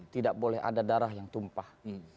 tidak boleh ada darah yang tumpah